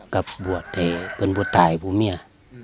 กับบวชให้เป็นบวชตายผู้เมีย